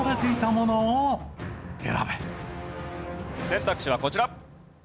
選択肢はこちら。